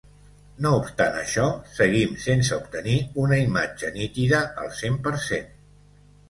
No obstant això, seguim sense obtenir una imatge nítida al cent per cent.